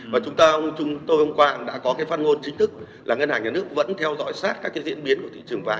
và chúng tôi hôm qua cũng đã có cái phát ngôn chính thức là ngân hàng nhà nước vẫn theo dõi sát các cái diễn biến của thị trường vàng